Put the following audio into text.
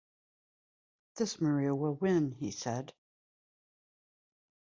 “This Maria will win,” he said.